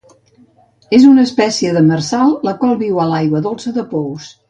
És una espècie demersal, la qual viu a l'aigua dolça de pous.